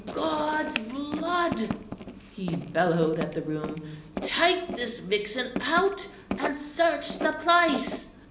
"God's blood," he bellowed at the room; "take this vixen out and search the place."